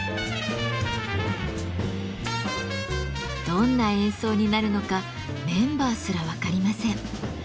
どんな演奏になるのかメンバーすら分かりません。